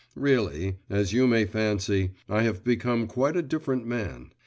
Really, as you may fancy, I have become quite a different man.